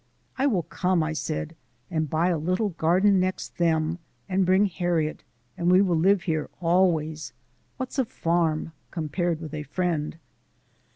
"I will come," I said, "and buy a little garden next them, and bring Harriet, and we will live here always. What's a farm compared with a friend?"